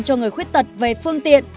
cho người khuyết thật về phương tiện